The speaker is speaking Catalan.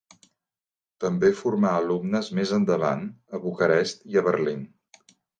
També formà alumnes més endavant, a Bucarest i a Berlín.